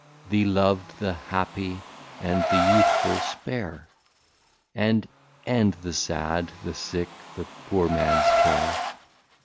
The Lov'd, the Happy, and the Youthful spare, And end the Sad, the Sick, the Poor Mans Care.